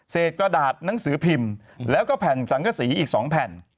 กระดาษหนังสือพิมพ์แล้วก็แผ่นสังกษีอีก๒แผ่น